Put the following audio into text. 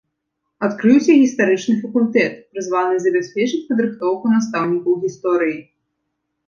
Адкрыўся гістарычны факультэт, прызваны забяспечыць падрыхтоўку настаўнікаў гісторыі.